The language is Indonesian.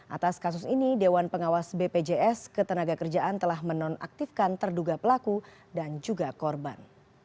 atas kasus ini dewan pengawas bpjs ketenaga kerjaan telah menonaktifkan terduga pelaku dan juga korban